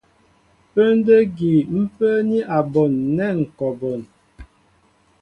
Pə́ndə́ ígí ḿ pə́ə́ní a bon nɛ́ ŋ̀ kɔ a bon.